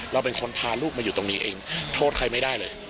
เราเป็นคนพาลูกมาอยู่ตรงนี้เองโทษใครไม่ได้เลย